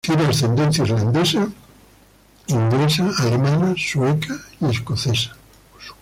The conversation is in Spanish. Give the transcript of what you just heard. Tiene ascendencia irlandesa, inglesa, alemana, sueca y escocesa.